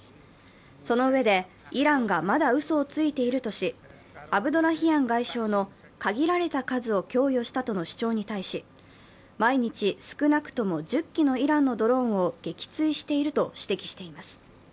そのうえでイランがまだうそをついているとし、アブドラヒアン外相の限られた数を供与したとの主張に対し、毎日少なくとも１０機のイランのドローンを撃墜していると指摘しています。